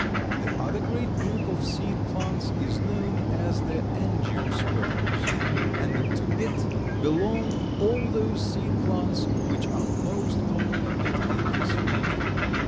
The other great group of seed plants is known as the Angiosperms, and to it belong all those seed plants which are most commonly met in this region.